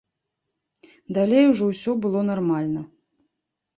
Далей ужо ўсё было нармальна.